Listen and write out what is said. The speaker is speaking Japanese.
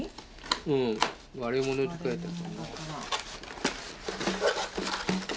うん。割れ物って書いてある。